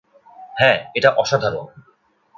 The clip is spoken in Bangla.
হ্যাঁ, এটা অসাধারণ।